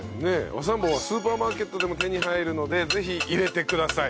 和三盆はスーパーマーケットでも手に入るのでぜひ入れてください。